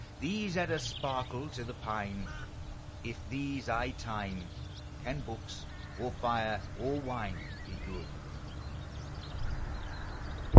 These add a sparkle to the pine ! If these I tine Can books, or fire or wine be good?